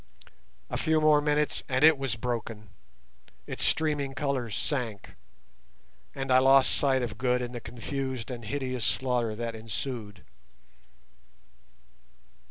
A few more minutes and it was broken, its streaming colours sank, and I lost sight of Good in the confused and hideous slaughter that ensued.